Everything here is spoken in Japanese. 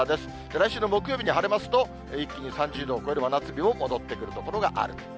来週の木曜日に晴れますと、一気に３０度を超える真夏日も戻ってくる所がある。